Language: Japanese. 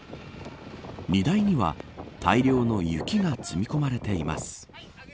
荷台には大量の雪が積み込まれています。